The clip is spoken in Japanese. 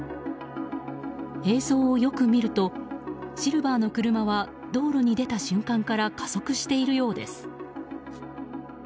映像をよく見るとシルバーの車は道路に出た瞬間から加速しているようです。